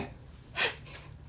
はい。